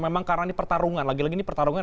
memang karena ini pertarungan lagi lagi ini pertarungan